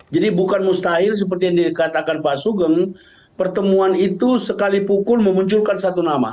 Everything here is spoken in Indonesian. jadi bukan mustahil seperti yang dikatakan pak sugeng pertemuan itu sekalipun memunculkan satu nama